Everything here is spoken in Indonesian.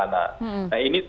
ada rumusan yang juga beresiko